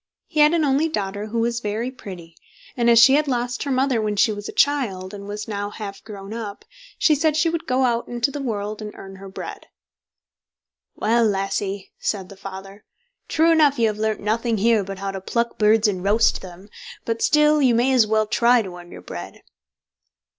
He had an only daughter who was very pretty, and as she had lost her mother when she was a child, and was now half grown up, she said she would go out into the world and earn her bread. "Well, lassie!" said the father, "true enough you have learnt nothing here but how to pluck birds and roast them, but still you may as well try to earn your bread."